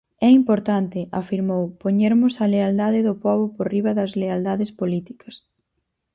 É importante, afirmou, poñermos a lealdade do pobo por riba das lealdades políticas.